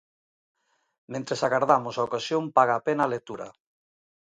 Mentres agardamos a ocasión, paga a pena a lectura.